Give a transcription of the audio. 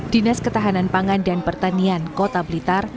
dinas ketahanan pangan dan pertanian kota blitar